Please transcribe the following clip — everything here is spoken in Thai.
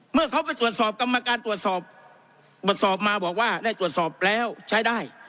เมื่อเขาไปตรวจสอบกรรมการตรวจสอบมาบอกว่าได้ตรวจสอบแล้วใช้ได้